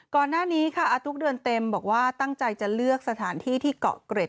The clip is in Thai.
ก่อนหน้านี้ค่ะอาตุ๊กเดือนเต็มบอกว่าตั้งใจจะเลือกสถานที่ที่เกาะเกร็ด